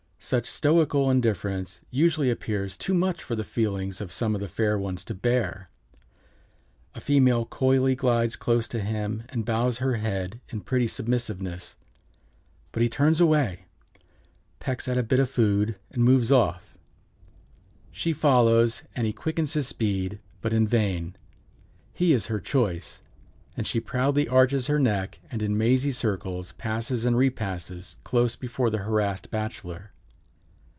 Such stoical indifference usually appears too much for the feelings of some of the fair ones to bear. A female coyly glides close to him and bows her head in pretty submissiveness, but he turns away, pecks at a bit of food and moves off; she follows and he quickens his speed, but in vain; he is her choice, and she proudly arches her neck and in mazy circles passes and repasses close before the harassed bachelor.